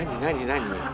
何？